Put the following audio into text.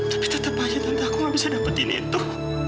tapi tetap saja tante aku gak bisa dapatin itu